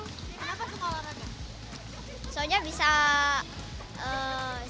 kenapa suka olahraga